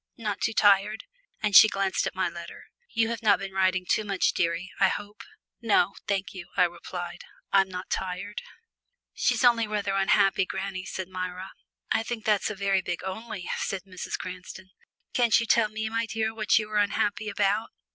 Not too tired," and she glanced at my letter. "You have not been writing too much, dearie, I hope?" "No, thank you," I replied, "I'm not tired." "She's only rather unhappy, granny," said Myra. "I think that's a very big 'only,'" said Mrs. Cranston. "Can't you tell me, my dear, what you are unhappy about?"